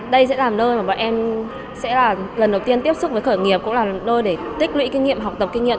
đây sẽ là lần đầu tiên tiếp xúc với khởi nghiệp cũng là lần đầu tiên tích lụy kinh nghiệm học tập kinh nghiệm